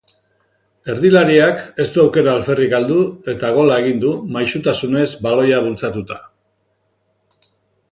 Erdilariak ez du aukera alferrik galdu eta gola egin du maisutasunez baloia bultzatuta.